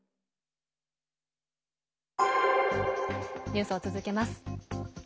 ニュースを続けます。